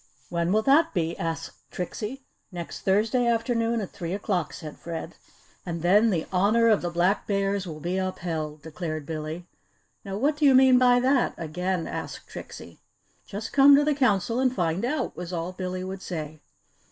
"When will that be?" asked Trixie. "Next Thursday afternoon at three o'clock," said Fred. "And then the Honour of the Black Bears will be upheld!" declared Billy. "Now what do you mean by that," again asked Trixie. "Just come to the Council and find out," was all Billy would say.